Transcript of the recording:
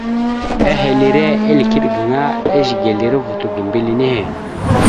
Ehelire eligeɗ gaŋa, ezigelire vuto ga mbile nehe.